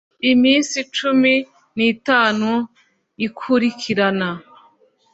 iminsi cumi n itanu ikurikirana